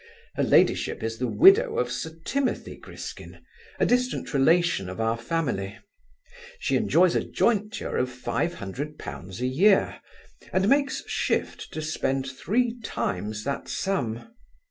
Her ladyship is the widow of Sir Timothy Griskin, a distant relation of our family. She enjoys a jointure of five hundred pounds a year, and makes shift to spend three times that sum.